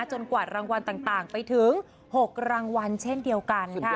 กวาดรางวัลต่างไปถึง๖รางวัลเช่นเดียวกันค่ะ